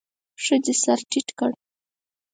ښځې سر ټيت کړ.